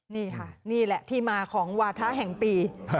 นี่ค่ะนี่แหละที่มาของวาทะแห่งปี